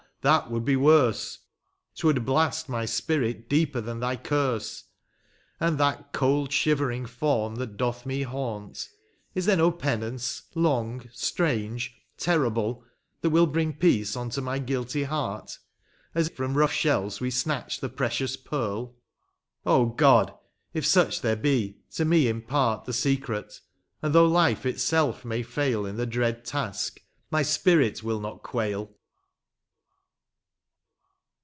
that would he worse — *T would blast my spirit deeper than thy curse. And that cold, shivering form that doth me haunt. Is there no penance — long — strange — terrible, That wiU bring peace unto my guilty heart. As from rough shells we snatch the precious pearl ? Oh, God ! if such there be, to me impart The secret, and though life itself may fail In the dread task, my spirit will not quail.